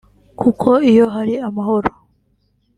kuko iyo hari amahoro